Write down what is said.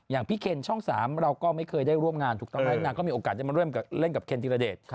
อย่างพี่เคนช่อง๓เราก็ไม่เคยได้ร่วมงานถูกต้องไหมนางก็มีโอกาสได้มาร่วมเล่นกับเคนธีรเดช